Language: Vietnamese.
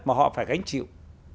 mà họ phải gánh chịu